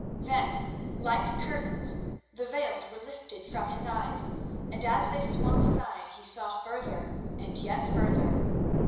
Then like curtains the veils were lifted from his eyes, and as they swung aside he saw further, and yet further.